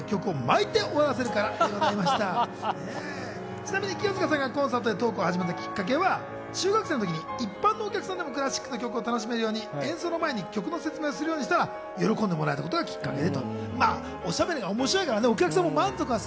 ちなみに清塚さんがコンサートでトークをはじめたきっかけは中学生の時に一般のお客さんでもクラシックの曲を楽しめるように演奏の前に曲の説明をするようにしたら喜んでもらえたことがきっかけだそうです。